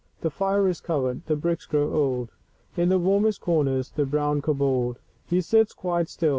^ The//re is covered , l^hitBricks grow cold ; In the warmest Corn er s The brown Kobold. ^ He sits quite still